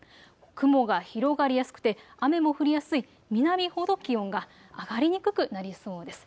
雲が広がりやすくて雨も降りやすい南ほど気温が上がりにくくなりそうです。